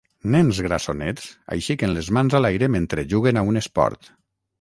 Nens grassonets aixequen les mans a l'aire mentre juguen a un esport.